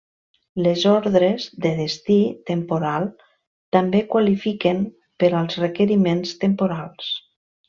Les ordres de destí temporal també qualifiquen per als requeriments temporals.